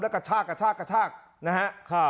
แล้วกระชากนะฮะ